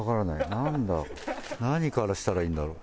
何からしたらいいんだろう？